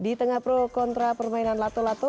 di tengah pro kontra permainan lato lato